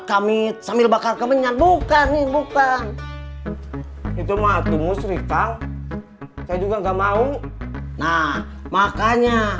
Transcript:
kami sambil bakar kemenyan buka nih bukan itu matung musri tang saya juga nggak mau nah makanya